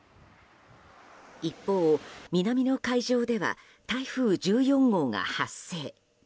一方、南の海上では台風１４号が発生。